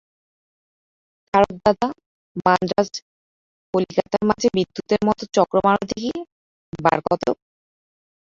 তারকদাদা, মান্দ্রাজ কলিকাতার মাঝে বিদ্যুতের মত চক্র মারো দিকি, বার কতক।